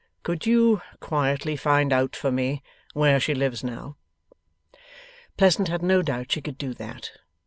Could you quietly find out for me where she lives now?' Pleasant had no doubt she could do that.